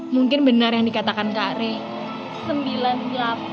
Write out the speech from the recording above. mungkin benar yang dikatakan kak ri